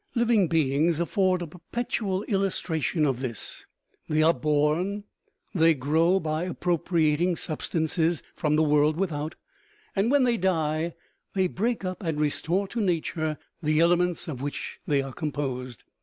Living beings afford a perpetual illustration of this : they are born, they grow by appropriating sub stances from the world without, and when they die they break up and restore to nature the elements of which they are composed.